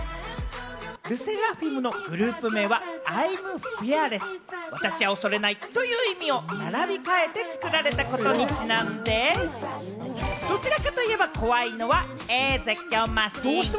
ＬＥＳＳＥＲＡＦＩＭのグループ名は「ＩＭＦＥＡＲＬＥＳＳ」、私は恐れないという意味を並び替えて作られたことにちなんで、どちらかといえば怖いのはドッチ？